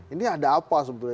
ini ada apa sebetulnya